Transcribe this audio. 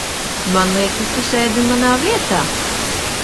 -man liekas, tu sēdi manā vietā!